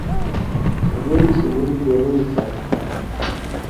شِدیل شِدیل بِلیئی سیت